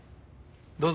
どうぞ。